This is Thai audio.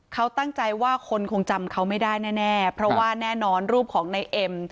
เขาตั้งใจว่าคนคงจำเขาไม่ได้แน่เพราะว่าแน่นอนรูปของในเอ็ม